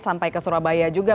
sampai ke surabaya juga